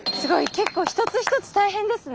結構一つ一つ大変ですね。